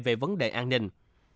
về vấn đề an ninh